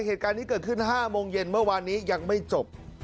เหตุการณ์นี้เกิดขึ้น๕โมงเย็นเมื่อวานนี้ยังไม่จบ